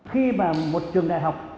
khi mà một trường đại học